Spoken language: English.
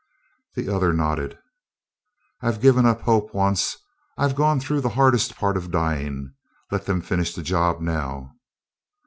The other nodded. "I've given up hope once; I've gone through the hardest part of dying; let them finish the job now."